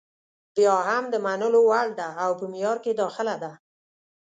بیا هم د منلو وړ ده او په معیار کې داخله ده.